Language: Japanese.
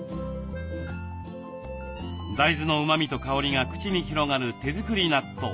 大豆のうまみと香りが口に広がる手作り納豆。